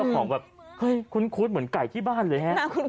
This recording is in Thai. มันคุ้นเหมือนไก่ที่บ้านเลย